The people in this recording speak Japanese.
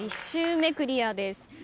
１周目クリアです。